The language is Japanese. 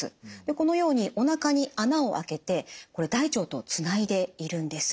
このようにおなかに孔を開けてこれ大腸とつないでいるんです。